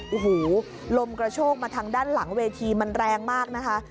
โอ้โหลมกระโชกมาทางด้านหลังเวทีมันแรงมากนะคะ